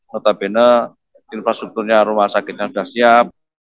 notabene infrastrukturnya rumah sakitnya sudah siap